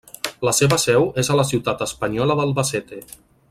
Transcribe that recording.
La seva seu és a la ciutat espanyola d'Albacete.